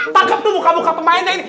tangkap tuh muka muka pemainnya ini